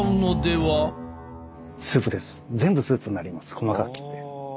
細かく切って。